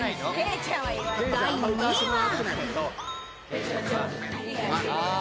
第２位は。